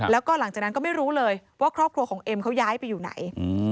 แล้วก็หลังจากนั้นก็ไม่รู้เลยว่าครอบครัวของเอ็มเขาย้ายไปอยู่ไหน